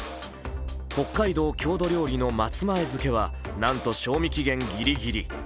北海道郷土料理の松前漬けはなんと賞味期限ギリギリ。